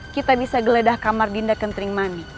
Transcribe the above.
kita bisa geledah kamar dinda ketering mani